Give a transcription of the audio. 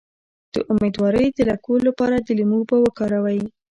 د امیدوارۍ د لکو لپاره د لیمو اوبه وکاروئ